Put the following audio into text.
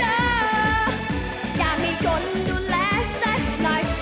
อยากให้คนดูแลใส่หน่อยไม่เอา